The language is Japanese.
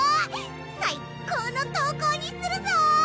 最っ高の投稿にするぞ！